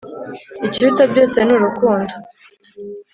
Ikiruta byose ni urukundo